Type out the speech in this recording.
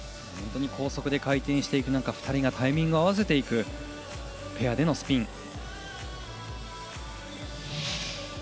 本当に高速で回転していく中、２人がタイミングを合わせていくペアでのスピン。